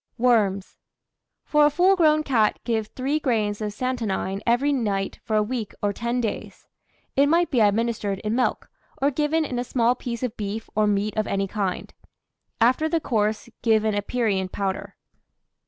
WORMS. For a full grown cat give 3 grains of santonine every night for a week or 10 days; it might be administered in milk, or given in a small piece of beef or meat of any kind. After the course give an aperient powder.